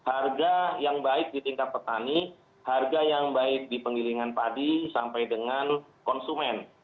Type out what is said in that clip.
harga yang baik di tingkat petani harga yang baik di penggilingan padi sampai dengan konsumen